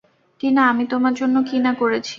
টিনা, আমি তোমার জন্য কি না করেছি।